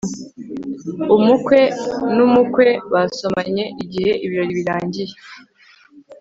Umukwe numukwe basomanye igihe ibirori birangiye